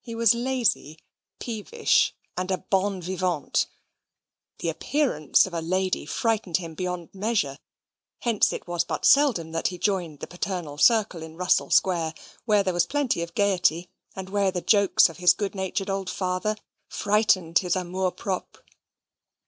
He was lazy, peevish, and a bon vivant; the appearance of a lady frightened him beyond measure; hence it was but seldom that he joined the paternal circle in Russell Square, where there was plenty of gaiety, and where the jokes of his good natured old father frightened his amour propre.